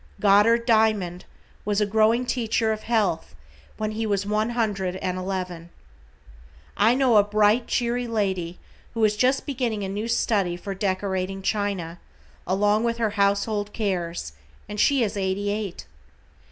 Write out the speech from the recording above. Goddard Diamond was a growing teacher of health, when he was one hundred and eleven. I know a bright, cheery lady who is just beginning a new study for decorating china, along with her household cares, and she is eighty eight.